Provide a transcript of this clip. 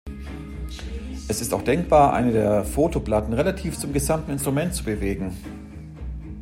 Es ist auch denkbar, eine der Fotoplatten relativ zum gesamten Instrument zu bewegen.